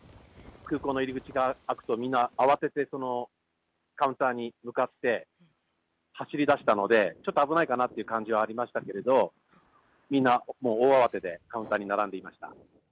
空港の入り口が開くと、みんな、慌ててカウンターに向かって走りだしたので、ちょっと危ないかなという感じはありましたけど、みんな、もう大慌てでカウンターに並んでいました。